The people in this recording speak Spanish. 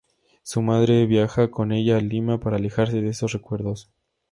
Su madre viaja con ella a Lima para alejarse de esos recuerdos.